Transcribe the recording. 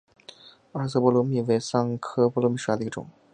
二色波罗蜜为桑科波罗蜜属下的一个种。